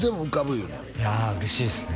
言うねんいや嬉しいっすね